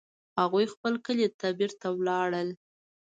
هغوی خپل کلي ته بیرته ولاړل